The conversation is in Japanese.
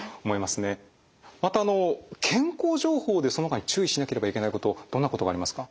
また健康情報でそのほかに注意しなければいけないことどんなことがありますか？